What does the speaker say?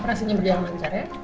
operasinya berjalan lancar ya